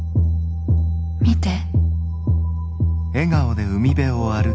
見て。